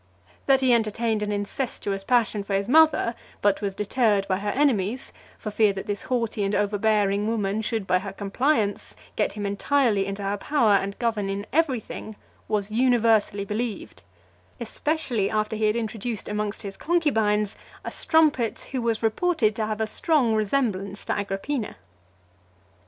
That he entertained an incestuous passion for his mother , but was deterred by her enemies, for fear that this haughty and overbearing woman should, by her compliance, get him entirely into her power, and govern in every thing, was universally believed; especially after he had introduced amongst his concubines a strumpet, who was reported to have a strong resemblance to Agrippina .